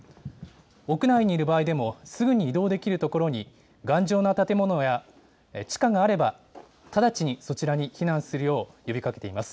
屋内にいる場合でも、すぐに移動できる所に頑丈な建物や地下があれば、直ちにそちらに避難するよう呼びかけています。